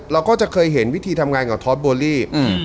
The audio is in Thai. เราก็จะเคยเห็นวิธีทำงานกับท็อปโบรี่